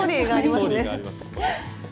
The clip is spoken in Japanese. ストーリーがあります。